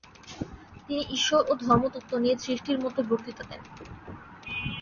তিনি ঈশ্বর ও ধর্মতত্ত্ব নিয়ে ত্রিশটির মত বক্তৃতা দেন।